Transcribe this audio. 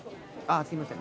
すいません。